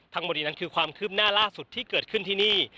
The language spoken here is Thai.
ทั้งหมดนี้นั้นคือความคืบหน้าล่าสุดที่เกิดขึ้นที่นี่